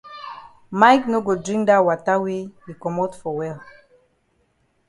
Mike no go drink dat wata wey yi komot for well.